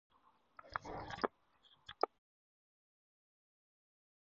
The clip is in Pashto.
په اربکي نارینتوب په زور د پنجاب له ملیشو سره جګړه کوي.